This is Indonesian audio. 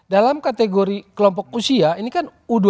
dalam kategori kelompok usia ini kan u dua puluh